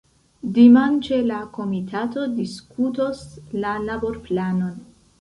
Dimanĉe la komitato diskutos la laborplanon.